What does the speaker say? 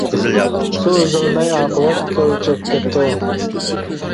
سۇ ئۈزەلمەي ئاقىۋەت، كۆلگە چۆكۈپ كەتتى ئۇ.